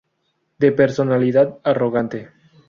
De personalidad arrogante.